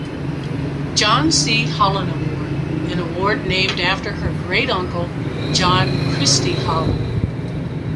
John C. Holland Award, an award named after her great uncle John Christie Holland.